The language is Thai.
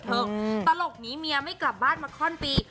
ตลกหนีเมียไม่กลับบ้านมาข้อนปี